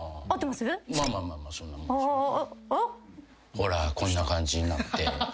ほらこんな感じになって。